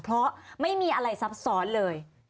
เพราะไม่มีอะไรซับซ้อนเลย